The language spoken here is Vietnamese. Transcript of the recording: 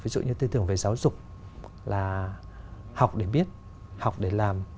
tự nhiên tư tưởng về giáo dục là học để biết học để làm